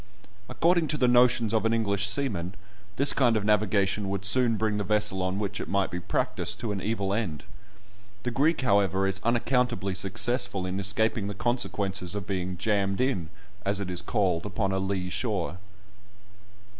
According to the notions of an English seaman, this kind of navigation would soon bring the vessel on which it might be practised to an evil end. The Greek, however, is unaccountably successful in escaping the consequences of being "jammed in," as it is called, upon a lee shore.